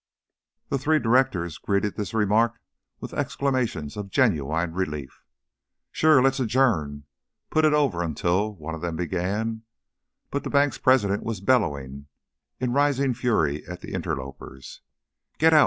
The three directors greeted this remark with exclamations of genuine relief. "Sure! Let's adjourn put it over until " one of them began, but the bank's president was bellowing in rising fury at the interlopers: "Get out!